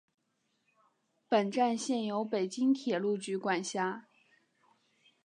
本站现由北京铁路局管辖。